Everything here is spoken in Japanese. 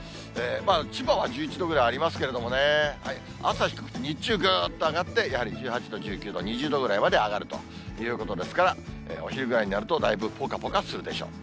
千葉は１１度ぐらいありますけどね、朝低くて日中ぐーっと上がって、やはり１８度、１９度、２０度ぐらいまで上がるということですから、お昼ぐらいになるとだいぶぽかぽかするでしょう。